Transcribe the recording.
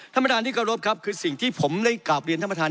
ธรรมฐานที่เคารพครับคือสิ่งที่ผมได้กราบเรียนธรรมฐาน